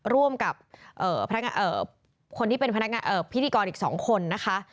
ร่วมกับคนที่เป็นพนักงานพิธีกรอีก๒คนนะคะ